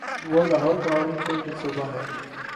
وہ لاہور کا orange train منصوبہ ہے۔